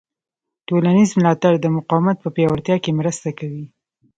ټولنیز ملاتړ د مقاومت په پیاوړتیا کې مرسته کوي.